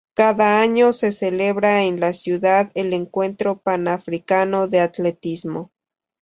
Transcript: Cada año, se celebra en la ciudad el Encuentro Panafricano de atletismo.